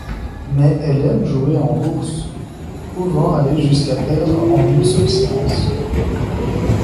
Mais elle aime jouer en bourse, pouvant aller jusqu'à perdre en une seule séance.